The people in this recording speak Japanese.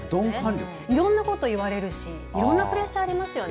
いろんなこと言われるし、いろんなプレッシャーありますよね。